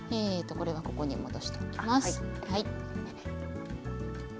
これはここに戻しておきます。